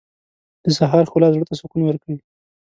• د سهار ښکلا زړه ته سکون ورکوي.